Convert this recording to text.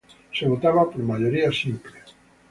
Se votaba por mayoría simple.